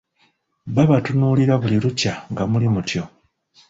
Babatunuulira buli lukya nga muli mutyo.